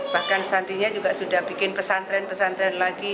bahkan santrinya juga sudah bikin pesantren pesantren lagi